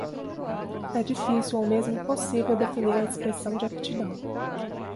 É difícil ou mesmo impossível definir a expressão de aptidão.